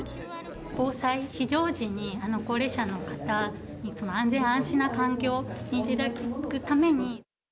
防災、非常時に高齢者の方、安全安心な環境でいただくために。